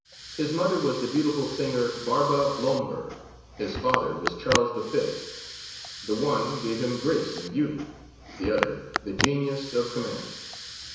His mother was the beautiful singer, Barba Blomberg; his father was Charles V. The one gave him grace and beauty; the other, the genius of command.